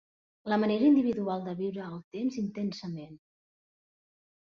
La manera individual de viure el temps intensament.